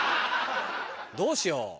どうしよう？